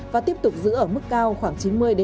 và tiếp tục giữ ở mức cao khoảng chín mươi chín mươi năm